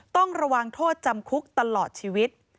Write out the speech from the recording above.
ต้องระวังโทษจำคุกตลอดชีวิต